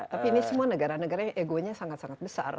tapi ini semua negara negara yang egonya sangat sangat besar